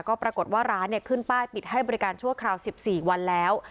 ก็ปรากฏว่าร้านขึ้นป้ายปิดให้บริการชั่วคราว๑๔วันแล้ว